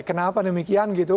kenapa demikian gitu